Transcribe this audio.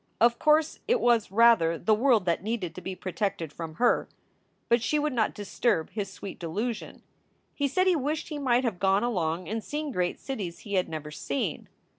Of course, it was, rather, the world that needed to be protected from her. But she would not disturb his sweet delusion. He said he wished he might have gone along and seen great cities he had never seen.